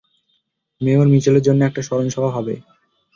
Mayor মিচেলের জন্য একটা স্মরণসভা হবে।